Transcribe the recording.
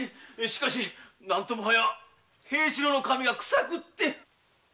しかし何ともはや平四郎の髪がクサくって。